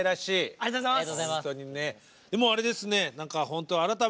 ありがとうございます。